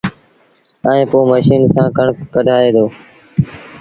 ائيٚݩ پو ميشن سآݩ ڪڻڪ ڪڍآئي دو